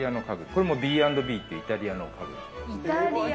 これもＢ＆Ｂっていうイタリアの家具。